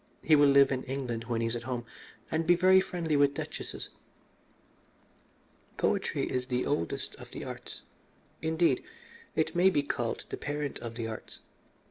He will live in England when he is at home, and be very friendly with duchesses. "Poetry is the oldest of the arts. Indeed, it may be called the parent of the arts.